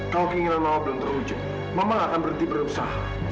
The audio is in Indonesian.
kalau keinginan mama belum terwujud memang akan berhenti berusaha